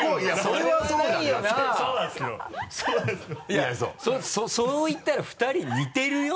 いやそう言ったら２人似てるよ？